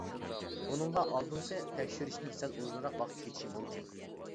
بۇنىڭغا ئالدىنقى تەكشۈرۈشتىن سەل ئۇزۇنراق ۋاقىت كېتىشى مۇمكىن.